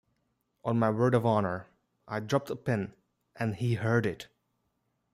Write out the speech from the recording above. On my word of honor, I dropped a pin and he heard it.